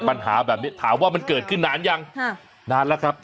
ปัญหาแบบนี้ถามว่ามันเกิดขึ้นนานยังนานแล้วครับ